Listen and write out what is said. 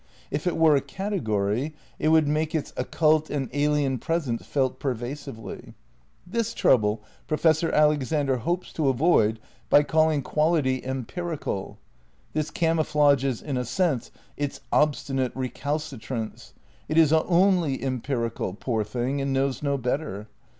If it were a category it would make its occult and alien presence felt pervasively. This trou ble Professor Alexander hopes to avoid by calling quality "empirical." This camouflages in a sense its obstinate recalcitrance. It is only empirical, poor thing, and knows no better.